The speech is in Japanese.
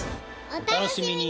お楽しみに！